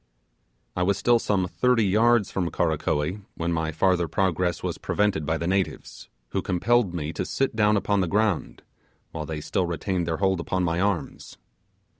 I was still some thirty yards from Karakoee when my farther progress was prevented by the natives, who compelled me to sit down upon the ground, while they still retained their hold upon my arms.